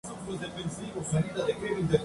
Con esta foto, ganó el premio Pulitzer.